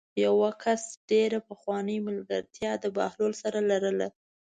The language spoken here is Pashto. یوه کس ډېره پخوانۍ ملګرتیا د بهلول سره لرله.